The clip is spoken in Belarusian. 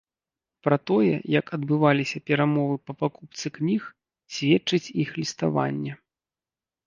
Пра тое, як адбываліся перамовы па пакупцы кніг, сведчыць іх ліставанне.